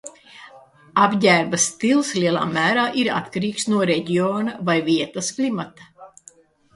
Apģērba stils lielā mērā ir atkarīgs no reģiona vai vietas klimata.